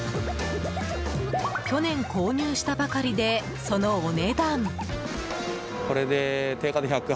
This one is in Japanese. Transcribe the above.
去年購入したばかりでそのお値段。